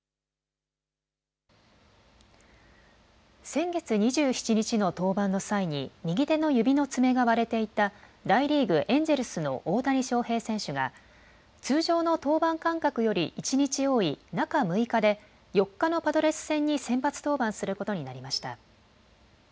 先月２７日の登板の際に右手の指の爪が割れていた大リーグ、エンジェルスの大谷翔平選手が通常の登板間隔より１日多い中６日で４日のパドレス戦に先発登板することになりました。